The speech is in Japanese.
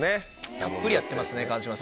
たっぷりやってますね川島さん。